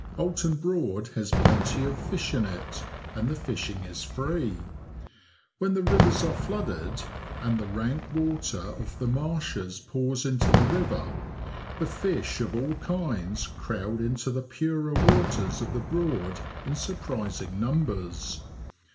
Oulton Broad has plenty of fish in it, and the fishing is free. When the rivers are flooded, and the rank water off the marshes pours into the river, the fish of all kinds crowd into the purer waters of the Broad in surprising numbers.